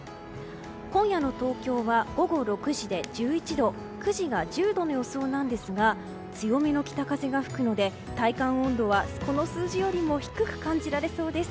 今夜の東京は午後６時で１１度９時が１０度の予想ですが強めの北風が吹くので体感温度はこの数字よりも低く感じられそうです。